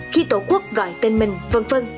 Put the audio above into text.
khi tổ quốc gọi tên mình v v